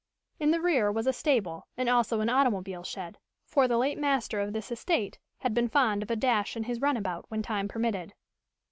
In the rear was a stable and also an automobile shed, for the late master of this estate had been fond of a dash in his runabout when time permitted.